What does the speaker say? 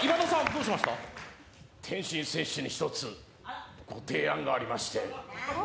天心選手に一つご提案がありまして。